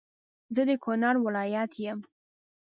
زه د کونړ ولایت يم